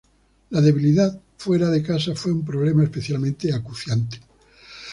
La debilidad fuera de casa fue un problema especialmente acuciante.